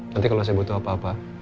nanti kalau saya butuh apa apa